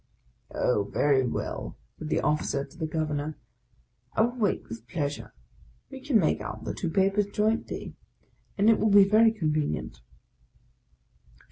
" Oh, very well," said the Officer to the Governor, " I will wait with pleasure ; we can make out the two papers together, and it will be very convenient."